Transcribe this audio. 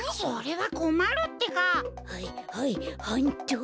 はいはいはんっと。